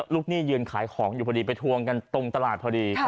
หนี้ยืนขายของอยู่พอดีไปทวงกันตรงตลาดพอดี